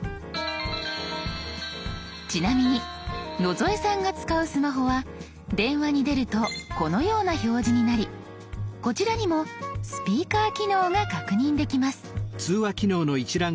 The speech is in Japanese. ちなみに野添さんが使うスマホは電話に出るとこのような表示になりこちらにもスピーカー機能が確認できます。